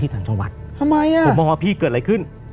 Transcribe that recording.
ต่างจังหวัดทำไมอ่ะผมมองว่าพี่เกิดอะไรขึ้น